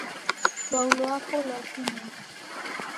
Lwau lwapo lwavinika